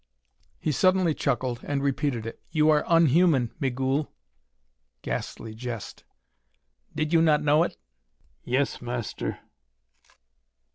He suddenly chuckled, and repeated it: "You are unhuman, Migul!" Ghastly jest! "Did not you know it?" "Yes, Master."